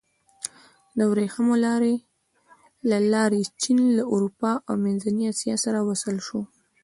د ورېښمو لارې له لارې چین له اروپا او منځنۍ اسیا سره وصل شو.